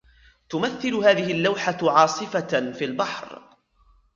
تمثل هذه اللوحة عاصفة في البحر.